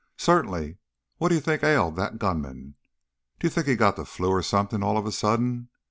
"Certainly! What d'you think ailed that gunman? D'you think he got the flu or something, all of a sudden?